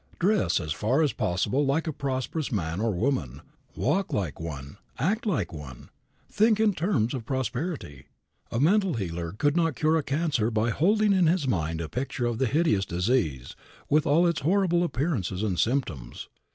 Dress as far as possible like a prosperous man or woman, walk like one, act like one, think in terms of prosperity. A mental healer could not cure a cancer by holding in his mind a picture of the hideous disease, with all its horrible appearances and symptoms.